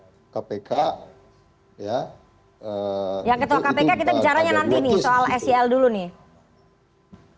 yang ketua kpk kita bicaranya nanti nih soal sel dulu nih